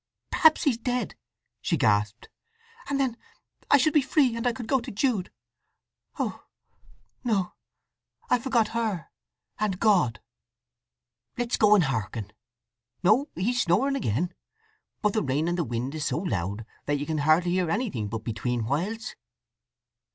"Perhaps he's dead!" she gasped. "And then—I should be free, and I could go to Jude! … Ah—no—I forgot her—and God!" "Let's go and hearken. No—he's snoring again. But the rain and the wind is so loud that you can hardly hear anything but between whiles."